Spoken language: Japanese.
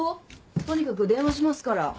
とにかく電話しますから。